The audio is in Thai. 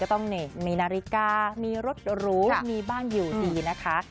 ต้องมีนาฬิกามีรถหรูมีบ้านอยู่ดีนะคะ